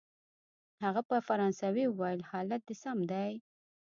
هغه په فرانسوي وویل: حالت دی سم دی؟